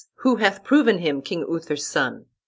who hath proven him King Uther's son?